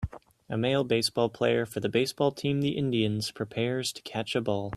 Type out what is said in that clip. A male baseball player for the baseball team The Indians prepares to catch a ball